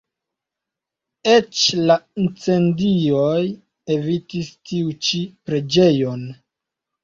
Eĉ la incendioj evitis tiu ĉi preĝejon.